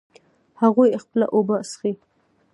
هغوی خپلې اوبه څښي